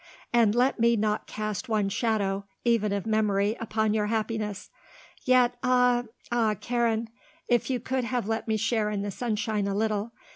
And let me not cast one shadow, even of memory, upon your happiness. Yet ah ah Karen if you could have let me share in the sunshine a little.